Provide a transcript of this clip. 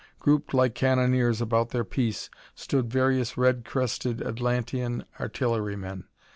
Grouped like cannoneers about their piece stood various red crested Atlantean artillerymen.